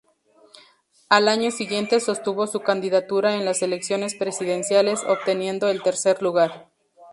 Al año siguiente sostuvo su candidatura en las elecciones presidenciales, obteniendo el tercer lugar.